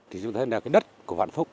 thì chúng ta thấy là cái đất của hoạn phúc